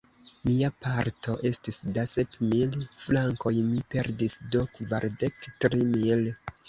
Mia parto estis da sep mil frankoj; mi perdis do kvardek tri mil.